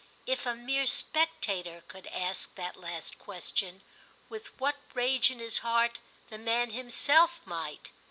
If a mere spectator could ask that last question, with what rage in his heart the man himself might!